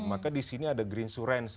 maka di sini ada greensurance